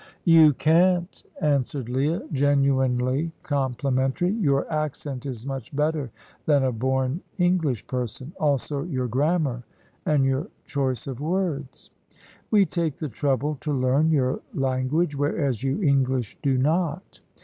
"You can't," answered Leah, genuinely complimentary. "Your accent is much better than a born English person; also your grammar, and your choice of words." "We take the trouble to learn your language, whereas you English do not."